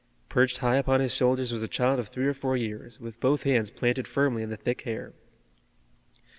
Perched high upon his shoulders was a child of three or four years, with both hands planted firmly in the thick hair.